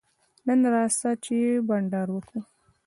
نن راسه چي بانډار وکو.